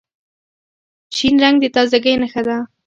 شین رنګ د تازګۍ نښه ده.